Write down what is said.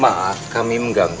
maaf kami mengganggu